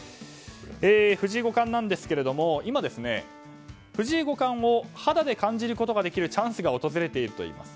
藤井五冠なんですけども今、藤井五冠を肌で感じることができるチャンスが訪れているといいます。